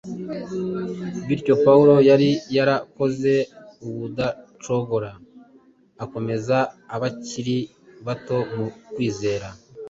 Bityo Pawulo yari yarakoze ubudacogora akomeza abakiri bato mu kwizera